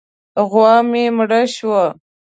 غوا مې مړه شوه.